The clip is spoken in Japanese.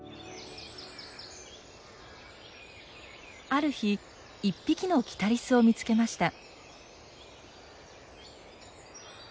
ある日１匹のキタリスを見つけました。